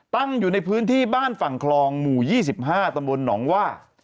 ตั้งอยู่ในพื้นที่บ้านฝั่งคลองหมู่๒๕ตำบลหนองว่า